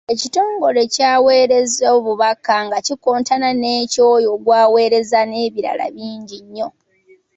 Ekitongole ky'aweereza obubaka nga kikontana n’ekyoyo gw’aweereza n’ebirala bingi nnyo.